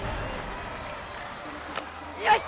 よし。